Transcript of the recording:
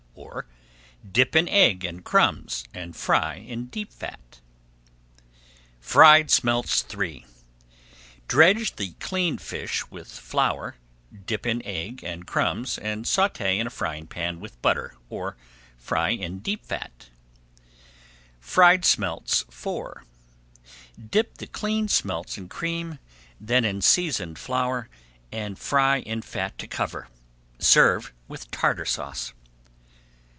Or, dip in egg and crumbs and fry in deep fat. [Page 371] FRIED SMELTS III Dredge the cleaned fish with flour, dip in egg and crumbs, and sauté in a frying pan with butter, or fry in deep fat. FRIED SMELTS IV Dip the cleaned smelts in cream, then in seasoned flour, and fry in fat to cover. Serve with Tartar Sauce.